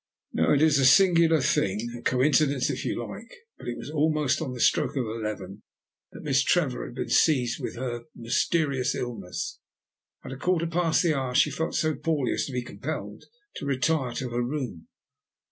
Now it is a singular thing, a coincidence if you like, but it was almost on the stroke of eleven that Miss Trevor had been seized with her mysterious illness. At a quarter past the hour she felt so poorly as to be compelled to retire to her room.